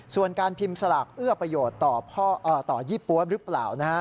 ส่วนการพิมพ์สลากเอื้อประโยชน์ต่อยี่ปั๊วหรือเปล่า